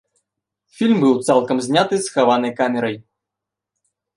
Фільм быў цалкам зняты схаванай камерай.